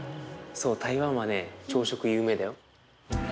そう台湾はね朝食有名だよ。